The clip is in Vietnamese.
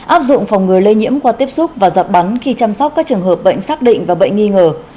áp dụng phòng ngừa lây nhiễm qua tiếp xúc và giọt bắn khi chăm sóc các trường hợp bệnh xác định và bệnh nghi ngờ